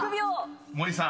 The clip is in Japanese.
森さん］